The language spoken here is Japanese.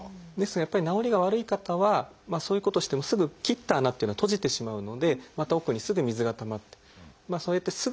ですがやっぱり治りが悪い方はそういうことをしてもすぐ切った穴っていうのは閉じてしまうのでまた奥にすぐ水がたまって。